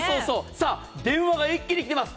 さあ、電話が一気に来ています。